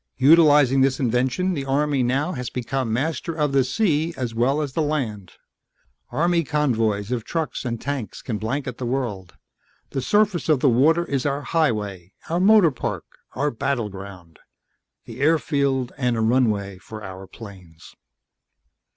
"Utilizing this invention the Army now becomes master of the sea as well as the land. Army convoys of trucks and tanks can blanket the world. The surface of the water is our highway, our motor park, our battleground the airfield and runway for our planes."